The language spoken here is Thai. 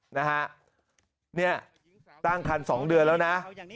นี่ตั้งคัน๒เดือนแล้วนะ